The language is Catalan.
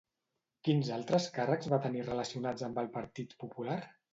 Quins altres càrrecs va tenir relacionats amb el Partit Popular?